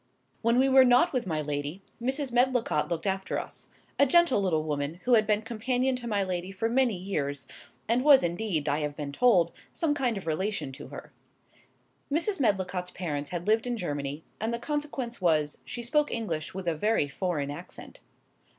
When we were not with my lady, Mrs. Medlicott looked after us; a gentle little woman, who had been companion to my lady for many years, and was indeed, I have been told, some kind of relation to her. Mrs. Medlicott's parents had lived in Germany, and the consequence was, she spoke English with a very foreign accent.